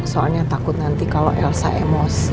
soalnya takut nanti kalau elsa emosi